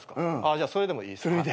じゃあそれでもいいっすか？